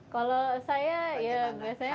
kalau saya ya biasanya